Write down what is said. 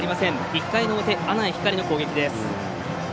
１回の表、阿南光の攻撃です。